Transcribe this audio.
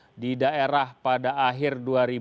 saldo kas di daerah pada akhir dua ribu enam belas